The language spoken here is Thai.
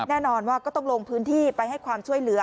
แน่นอนว่าก็ต้องลงพื้นที่ไปให้ความช่วยเหลือ